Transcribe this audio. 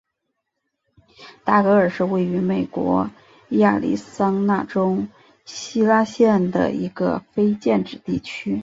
达格尔是位于美国亚利桑那州希拉县的一个非建制地区。